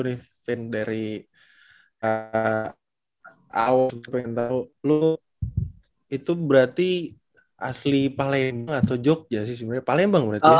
tentang karir basket lu nih vin dari awal pengen tau lu itu berarti asli palembang atau jogja sih sebenernya palembang berarti ya